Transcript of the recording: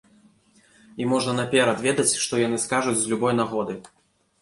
І можна наперад ведаць, што яны скажуць з любой нагоды.